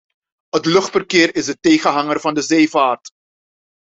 Het luchtverkeer is de tegenhanger van de zeevaart.